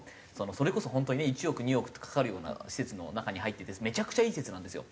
それこそ本当に１億２億ってかかるような施設の中に入っててめちゃくちゃいい施設なんですよ。